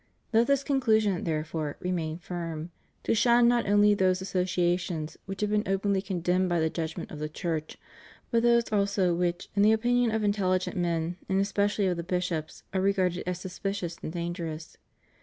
Let this conclusion, therefore, remain firm — to shun not only those associa tions which have been openly condemned by the judg ment of the Church, but those also which, in the opinion of intelligent men, and especially of the bishops, are regarded as suspicious and dangerous.